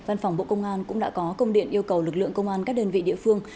văn phòng bộ công an cũng đã có công điện yêu cầu lực lượng công an các đơn vị địa phương